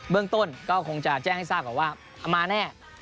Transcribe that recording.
เบื้องต้นก็คงจะแจ้งให้ทราบว่ามาแน่